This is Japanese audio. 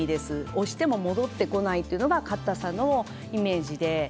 押しても戻ってこないというのがかたさのイメージで。